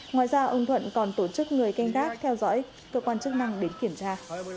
ngoài ra ông thuận còn tổ chức người canh tác theo dõi cơ quan chức năng đến kiểm tra